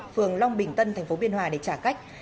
phường long bình tân tp biên hòa để trả cách